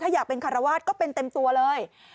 ถ้าอยากเป็นคารวาสก็เป็นเต็มตัวเลย